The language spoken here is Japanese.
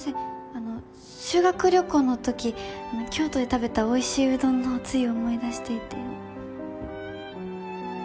あの修学旅行のとき京都で食べたおいしいうどんのおつゆを思い出していて。